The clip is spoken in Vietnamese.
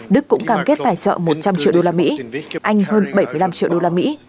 đức cũng cam kết tài trợ một trăm linh triệu đô la mỹ anh hơn bảy mươi năm triệu đô la mỹ